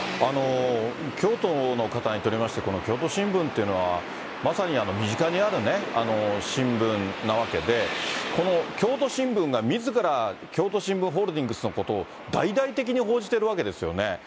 京都の方にとりまして、この京都新聞というのは、まさに身近にある新聞なわけで、この京都新聞がみずから京都新聞ホールディングスのことを大々的に報じているわけですよね。